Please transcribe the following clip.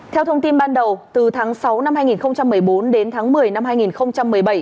theo thông tin ban đầu từ tháng sáu năm hai nghìn một mươi bốn đến tháng một mươi năm hai nghìn một mươi bảy